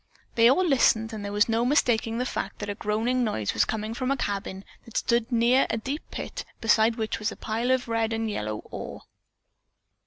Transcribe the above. They all listened and there was no mistaking the fact that a groaning noise was coming from a cabin that stood near a deep pit beside which was a pile of red and yellow ore.